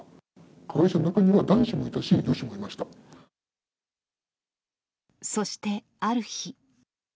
加害者の中には男子もいたし、そしてある日。